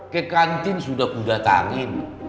ke kantin sudah aku datangin